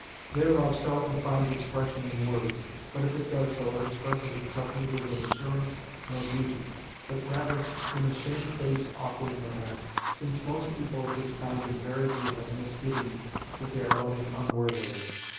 Their love seldom finds expression in words, but if it does so, it expresses itself neither with assurance nor beauty, but rather in a shamefaced, awkward manner, since people of this kind invariably have misgivings that they are loving unworthily.